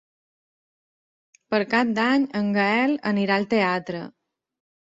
Per Cap d'Any en Gaël anirà al teatre.